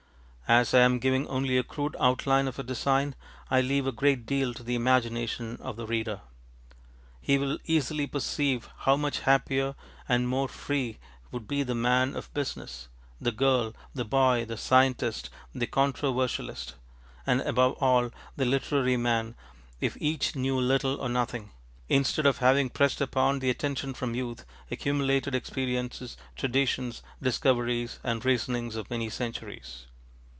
As I am giving only a crude outline of a design, I leave a great deal to the imagination of the reader. He will easily perceive how much happier and more free would be the man of business, the girl, the boy, the scientist, the controversialist, and, above all, the literary man, if each knew little or nothing, instead of having pressed upon the attention from youth accumulated experiences, traditions, discoveries, and reasonings of many centuries.